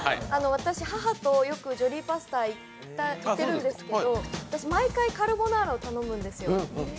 私、母とよくジョリーパスタ行ってるんですけど毎回カルボナーラを頼むんですよ。